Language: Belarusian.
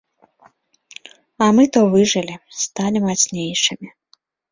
А мы то выжылі, сталі мацнейшымі.